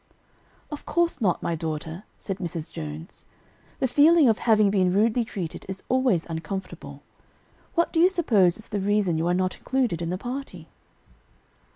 "Of course not, my daughter," said Mrs. Jones; "the feeling of having been rudely treated is always uncomfortable. What do you suppose is the reason you are not included in the party?"